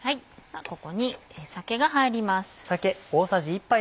ここに酒が入ります。